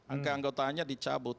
agar anggotanya dicabut